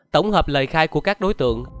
tổng hợp lời khai của các đối tượng